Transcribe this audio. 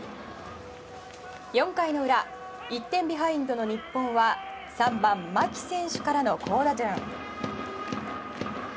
４回の裏１点ビハインドの日本は３番、牧選手からの好打順。